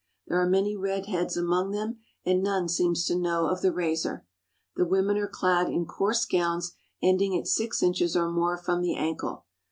There are many red heads among them and none seems to know of the razor. The women are clad in coarse gowns ending at six inches or more from the ankle.